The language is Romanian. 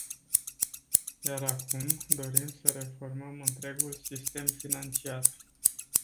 Iar acum dorim să reformăm întregul sistem financiar.